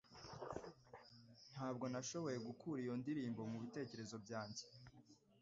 Ntabwo nashoboye gukura iyo ndirimbo mubitekerezo byanjye.